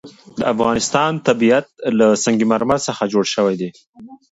د افغانستان طبیعت له سنگ مرمر څخه جوړ شوی دی.